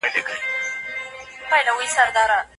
ایا تاسې په موټر کې سفر کوئ؟